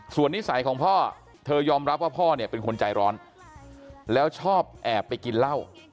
ส่วนนิสัยของพ่อเธอยอมรับว่าพ่อเนี่ยเป็นคนใจร้อนแล้วชอบแอบไปกินเหล้า